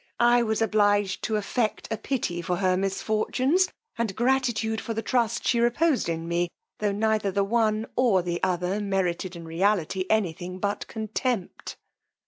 I was obliged to affect a pity for her misfortunes, and gratitude for the trust she reposed in me, tho' neither the one or the other merited in reality any thing but contempt.